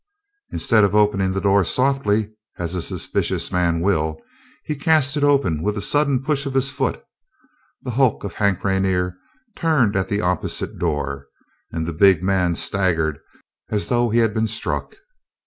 Instead of opening the door softly, as a suspicious man will, he cast it open with a sudden push of his foot; the hulk of Hank Rainer turned at the opposite door, and the big man staggered as though he had been struck.